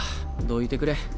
どいてくれ。